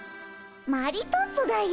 マリトッツォだよ。